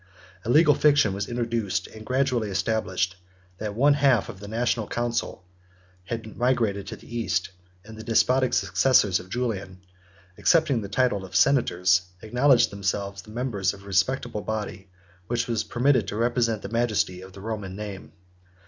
76 A legal fiction was introduced, and gradually established, that one half of the national council had migrated into the East; and the despotic successors of Julian, accepting the title of Senators, acknowledged themselves the members of a respectable body, which was permitted to represent the majesty of the Roman name.